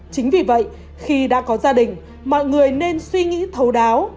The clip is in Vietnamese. chính vì vậy khi đã có gia đình mọi người nên suy nghĩ thấu đáo